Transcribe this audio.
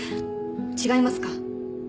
違いますか？